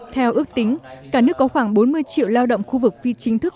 theo ước tính cả nước có khoảng bốn mươi triệu lao động khu vực phi chính thức